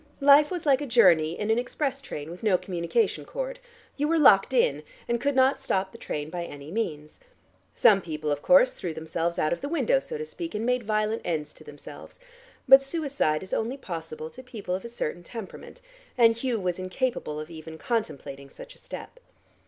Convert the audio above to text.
Life was like a journey in an express train with no communication cord. You were locked in, and could not stop the train by any means. Some people, of course, threw themselves out of the window, so to speak, and made violent ends to themselves; but suicide is only possible to people of a certain temperament, and Hugh was incapable of even contemplating such a step.